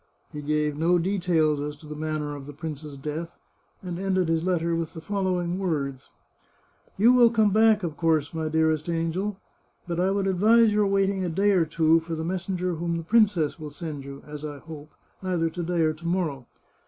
He gave no details as to the manner of the 434 The Chartreuse of Parma prince's death, and ended his letter with the following words :" You will come back, of course, my dearest angel. But I would advise your waiting a day or two for the messenger whom the princess will send you, as I hope, either to day or to morrow.